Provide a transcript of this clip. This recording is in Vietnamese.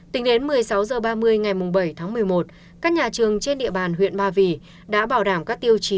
tính đến một mươi sáu h ba mươi ngày bảy tháng một mươi một các nhà trường trên địa bàn huyện ba vì đã bảo đảm các tiêu chí